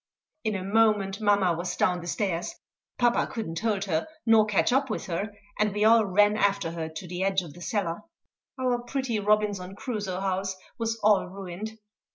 In a moment mamma was down the stairs; papa could not hold her nor catch up with her, and we all ran after her to the edge of the cellar. Our pretty Robinson Crusoe house was all ruined.